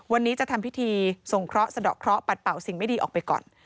วันนี้จะทำพิธีส่งเคราะหสะดอกเคราะห์ปัดเป่าสิ่งไม่ดีออกไปก่อน